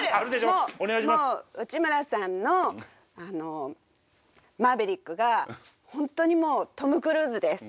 もう内村さんのあのマーヴェリックが本当にもうトム・クルーズです。